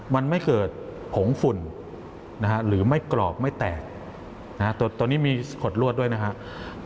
มันไม่เกิดผงฝุ่นหรือไม่กรอบไม่แตกตอนนี้มีขดลวดด้วยนะครับ